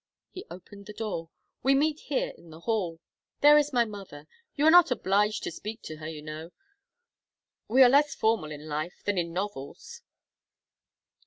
He opened the door. "We meet here in the hall. There is my mother. You are not obliged to speak to her, you know. We are less formal in life than in novels."